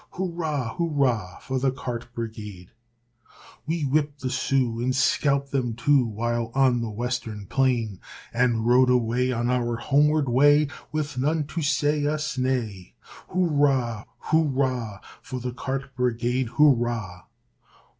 Hurrah, hurrah for the cart brigade! We whipped the Sioux and scalped them too, While on the western plain, And rode away on our homeward way With none to say us nay, Hurrah, hurrah for the cart brigade! Hurrah!